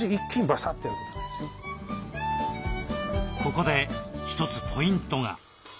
ここで一つポイントが。